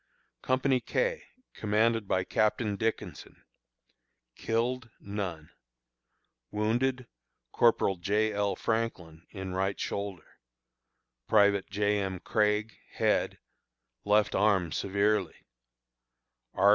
Company K, commanded by Captain Dickinson. Killed: None. Wounded: Corporal J. L. Franklin, in right shoulder; Private J. M. Craig, head, left arm severely; R.